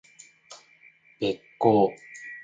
べっ甲